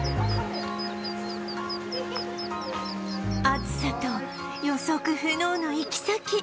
暑さと予測不能の行き先